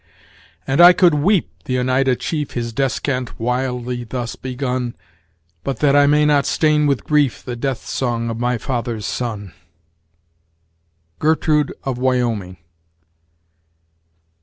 "And I could weep" th' Oneida chief His descant wildly thus begun "But that I may not stain with grief The death song of my father's son." Gertrude of Wyoming.